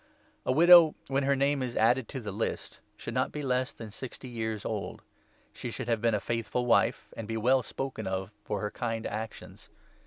A widow, 9 when her name is added to the list, should not be less than sixty years old ; she should have been a faithful wife, and be well spoken of for her kind actions.